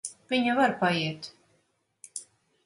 Viņa var paiet.